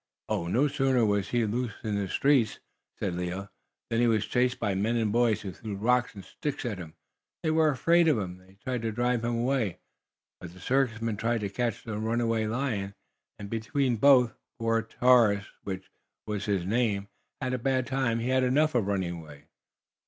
"Oh, no sooner was he loose in the streets," said Leo, "than he was chased by men and boys, who threw rocks and sticks at him. They were afraid of him, and tried to drive him away. But the circus men tried to catch the runaway lion, and, between both, poor Tarsus, which was his name, had a bad time. He had enough of running away."